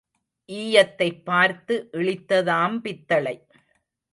ஈயத்தைப் பார்த்து இளித்ததாம் பித்தளை.